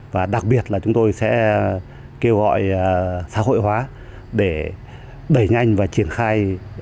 và đặc biệt là chúng tôi sẽ kêu gọi xã hội hóa để đẩy nhanh và triển khai